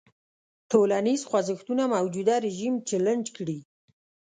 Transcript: ټولنیز خوځښتونه موجوده رژیم چلنج کړي.